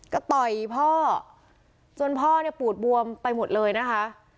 ก็ต่อยพ่อจนพ่อเนี่ยปูดบวมไปหมดเลยนะคะ